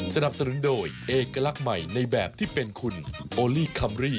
สนับสนุนโดยเอกลักษณ์ใหม่ในแบบที่เป็นคุณโอลี่คัมรี่